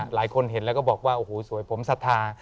หลายคนเห็นแล้วก็บอกว่าโอ้โหสวยผมศรัทธา